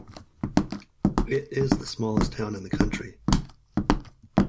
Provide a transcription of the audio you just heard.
It is the smallest town in the country.